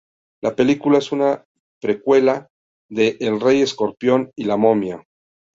La película es una precuela de "El rey Escorpión" y "La Momia".